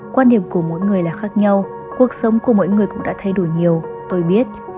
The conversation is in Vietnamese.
quan điểm của mỗi người là khác nhau cuộc sống của mỗi người cũng đã thay đổi nhiều tôi biết